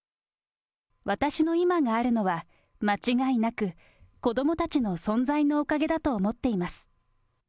私の今があるのは、間違いなく子どもたちの存在のおかげだと思っています。